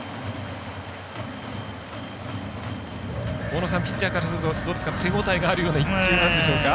大野さん、ピッチャーからするとどうでしょうか手応えがあるような１球なんでしょうか。